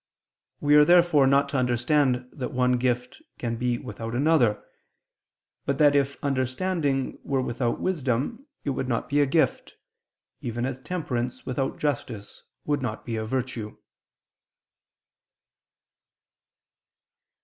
We are therefore not to understand that one gift can be without another; but that if understanding were without wisdom, it would not be a gift; even as temperance, without justice, would not be a virtue.